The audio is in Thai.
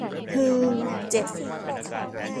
ฮือ เจ็บ